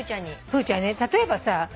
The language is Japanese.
プーちゃんにね例えばさ。